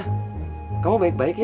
oh kamu baik baik ya